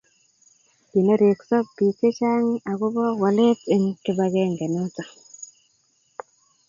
kinerekso biik chechang akobo walet eng kibagenge inoto